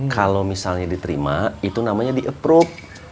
kalau misalnya diterima itu namanya di approach